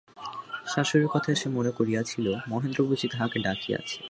শাশুড়ির কথায় সে মনে করিয়াছিল, মহেন্দ্র বুঝি তাহাকে ডাকিয়াছে।